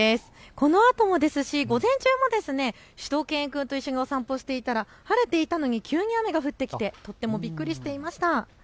このあともですし午前中もしゅと犬くんと一緒にお散歩していたら晴れていたのに急に雨が降ってきてとってもびっくりしていました。